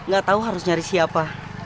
gak tahu harus nyari siapa